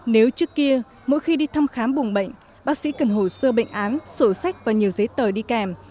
nếu trước kia mỗi khi đi thăm khám bùng bệnh bác sĩ cần hồ sơ bệnh án sổ sách và nhiều giấy tờ đi kèm